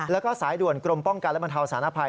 แล้วก็สายด่วนกรมป้องกันและบรรเทาสารภัย